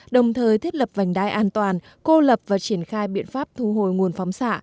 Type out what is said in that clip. đồng thời thiết lập vành đai an toàn cô lập và triển khai biện pháp thu hồi nguồn phóng xạ